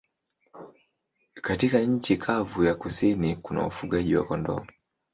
Katika nchi kavu ya kusini kuna ufugaji wa kondoo.